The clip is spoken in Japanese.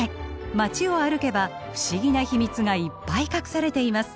街を歩けば不思議な秘密がいっぱい隠されています。